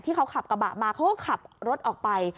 เขาขับกระบะมาเขาก็ขับรถออกไป